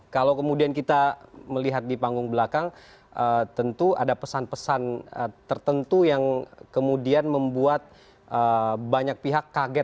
kalau kemudian kita melihat di panggung belakang tentu ada pesan pesan tertentu yang kemudian membuat banyak pihak kaget